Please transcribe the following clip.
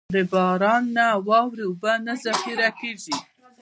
د باران او واورې اوبه نه ذخېره کېږي.